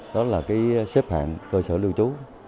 đó là cái xếp hạng cơ sở lưu trú